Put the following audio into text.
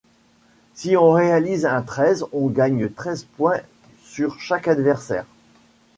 Si on réalise un Treize, on gagne treize points sur chaque adversaire.